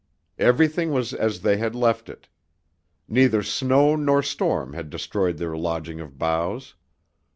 Everything was as they had left it. Neither snow nor storm had destroyed their lodging of boughs.